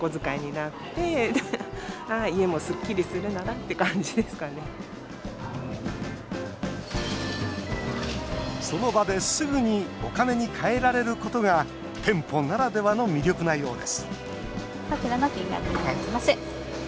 ４０９０円でしたその場ですぐにお金に換えられることが店舗ならではの魅力なようです